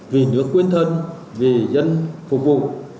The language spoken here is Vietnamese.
vì nước quên thân vì dân phục vụ